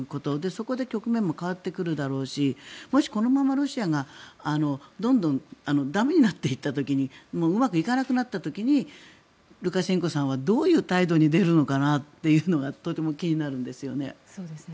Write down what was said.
そこで局面も変わってくるだろうしもし、ここでロシアがどんどん駄目になっていった時うまくいかなくなった時ルカシェンコさんはどういう態度に出るのかなというのがとても気になるんですよね。